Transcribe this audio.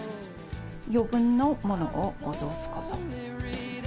余分のものを落とすこと。